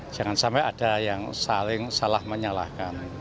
jangan sampai ada yang saling salah menyalahkan